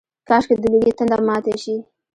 کاشکي، د لوږې تنده ماته شي